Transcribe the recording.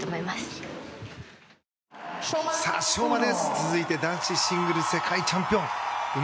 続いて男子シングル世界チャンピオン。